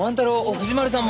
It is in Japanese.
藤丸さんも！